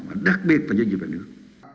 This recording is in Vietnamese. mà đặc biệt và dân dịch về nước